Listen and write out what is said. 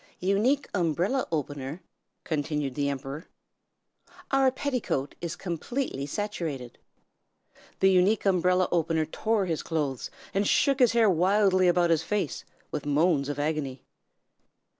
"'Unique Umbrella Opener,' continued the Emperor, 'our petticoat is completely saturated.' "The Unique Umbrella Opener tore his clothes, and shook his hair wildly about his face, with moans of agony.